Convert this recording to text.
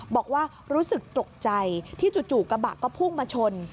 บอกว่ารู้สึกตกใจที่จู่กระบะก็พุ่งมาชน